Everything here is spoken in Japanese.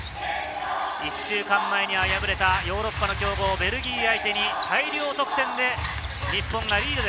１週間前には敗れたヨーロッパの強豪・ベルギー相手に大量得点で日本がリード。